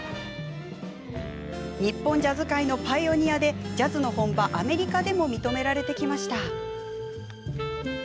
日本ジャズ界のパイオニアでジャズの本場アメリカでも認められてきました。